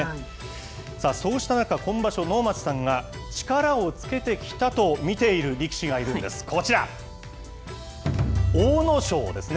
さあ、そうした中、今場所、能町さんが、力をつけてきたと見ている力士がいるんです、こちら、阿武咲ですね。